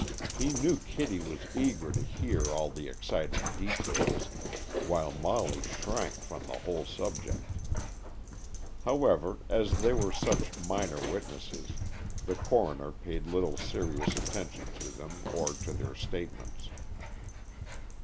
He knew Kitty was eager to hear all the exciting details, while Molly shrank from the whole subject. However, as they were such minor witnesses, the coroner paid little serious attention to them or to their statements.